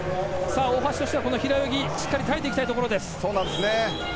大橋としては平泳ぎしっかり耐えていきたいところです。